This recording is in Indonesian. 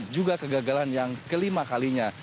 juga kegagalan yang kelima kalinya